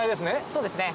そうですね。